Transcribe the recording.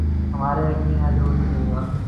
ہمارا یقین ہے ضرور لیگا